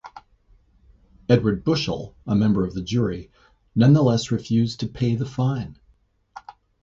Edward Bushel, a member of the jury, nonetheless refused to pay the fine.